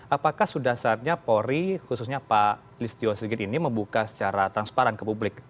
apakah sudah saatnya polri khususnya pak listio sigit ini membuka secara transparan ke publik